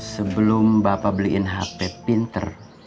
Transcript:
sebelum bapak beliin hp pinter